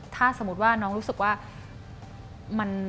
ถ้าสมมุติว่าน้องรู้สึกว่า